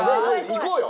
いこうよ。